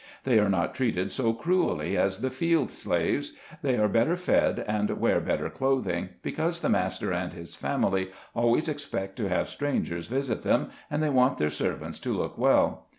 They are not treated so cruelly as the field slaves; they are better fed and wear bet ter clothing, because the master and his family always expect to have strangers visit them, and they want their servants to look well.